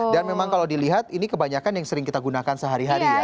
memang kalau dilihat ini kebanyakan yang sering kita gunakan sehari hari ya